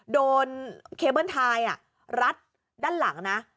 โดนเคเบิ้ลไทยรัดด้านหลังนะ